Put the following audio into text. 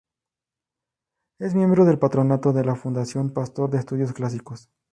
Es miembro del patronato de la Fundación Pastor de Estudios Clásicos.